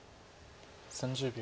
３０秒。